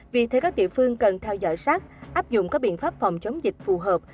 vì thế các địa phương cần theo dõi sát áp dụng các biện pháp phòng chống dịch phù hợp